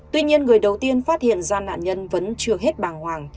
tuy nhiên người đầu tiên phát hiện ra nạn nhân vẫn chưa hết bàng hoàng